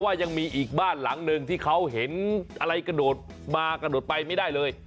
ยังมีอีกบ้านหลังหนึ่งที่เขาเห็นอะไรกระโดดมากระโดดไปไม่ได้เลย